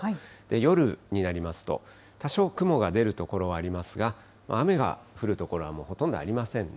夜になりますと、多少雲が出る所はありますが、雨が降る所はもうほとんどありませんね。